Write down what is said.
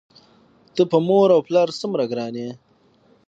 ته په مور و پلار څومره ګران یې؟!